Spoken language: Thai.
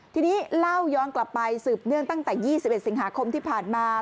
ทีนี้เล่าย้อนกลับไปสืบเนื่องตั้งแต่๒๑สิงหาคมที่ผ่านมา